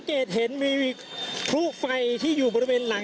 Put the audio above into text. คุณภูริพัฒน์บุญนิน